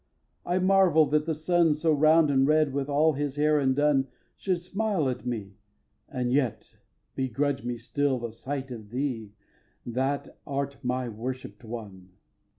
I marvel that the sun, So round and red, with all his hair undone, Should smile at me and yet begrudge me still The sight of thee that art my worshipp'd one!